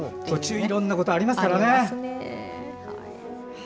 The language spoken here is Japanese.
途中いろんなことがありますからね。